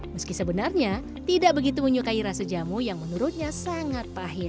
meski sebenarnya tidak begitu menyukai rasa jamu yang menurutnya sangat pahit